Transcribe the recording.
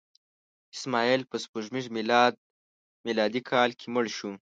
اسماعیل په سپوږمیز میلادي کال کې مړ شو.